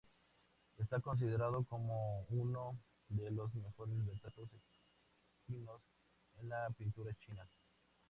Está considerado como uno de los mejores retratos equinos en la pintura china.